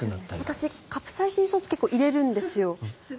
私、カプサイシンソースを入れるんですよ。